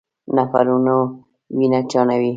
نفرونونه وینه چاڼوي.